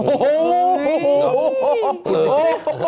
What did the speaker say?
โอ้โฮโอ้โฮโอ้โฮ